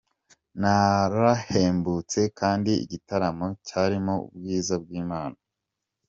Narahembutse kandi igitaramo cyarimo ubwiza bw’Imana.